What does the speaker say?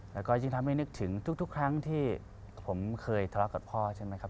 แล้วก็ยิ่งทำให้นึกถึงทุกครั้งที่ผมเคยทะเลาะกับพ่อใช่ไหมครับ